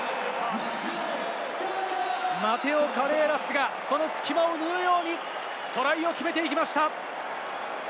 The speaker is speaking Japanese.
マテオ・カレーラスがその隙間を縫うようにトライを決めてきました。